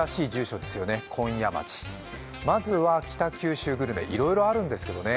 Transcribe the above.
まずは、北九州グルメいろいろあるんですけどね